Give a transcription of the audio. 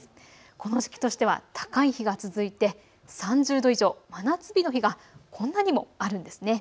この時期としては高い日が続いて３０度以上、真夏日の日がこんなにもあるんですね。